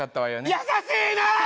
優しいなあ！